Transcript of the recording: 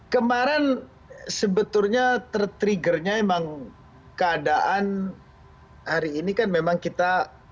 kemarin sebetulnya tertriggernya emang keadaan hari ini kan memang kita